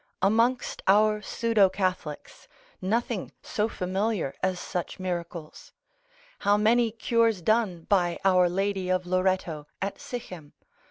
Amongst our pseudo Catholics nothing so familiar as such miracles; how many cures done by our lady of Loretto, at Sichem!